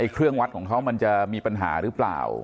เครื่องวัดของเขามันจะมีปัญหาหรือเปล่า